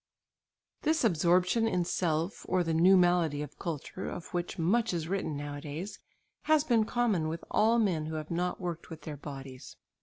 This absorption in self, or the new malady of culture, of which much is written nowadays, has been common with all men who have not worked with their bodies.